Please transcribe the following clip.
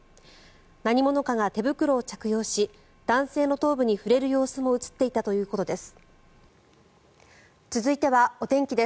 何者かが手袋を着用し男性の頭部に触れる様子も映っていたということです。